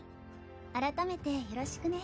改めてよろしくね。